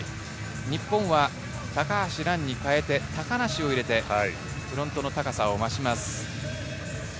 日本は高橋藍に代えて高梨を入れて、フロントの高さをまします。